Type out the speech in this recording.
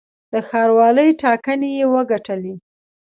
د ښاروالۍ ټاکنې یې وګټلې.